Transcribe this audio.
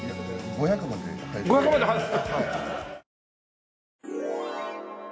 ５００まで入る！